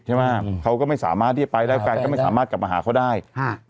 ใช่ไหมเขาก็ไม่สามารถที่จะไปแล้วกันก็ไม่สามารถกลับมาหาเขาได้ค่ะ